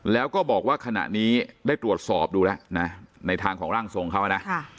แล้วก็บอกว่าขณะนี้ได้ตรวจสอบดูแล้วนะในทางของร่างทรงเขานะ